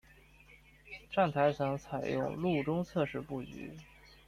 站台层采用路中侧式布局。